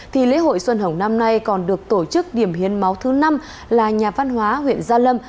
thì lễ hội xuân hồng năm nay còn được tổ chức điểm hiến máu thứ năm là nhà văn hóa huyện gia lâm